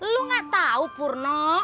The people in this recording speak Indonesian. lu gak tau purno